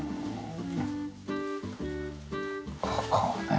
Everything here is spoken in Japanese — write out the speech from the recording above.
ここをね